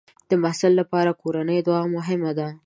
د محصل لپاره د کورنۍ دعا مهمه ده.